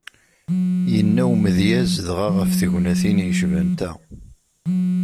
Yenna umedyaz dɣa ɣef tegnatin yecban ta.